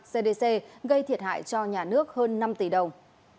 cdc gây thiệt hại cho nhà nước hơn năm tỷ đồng